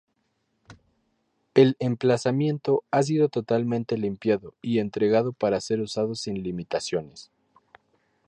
El emplazamiento ha sido totalmente limpiado y entregado para ser usado sin limitaciones.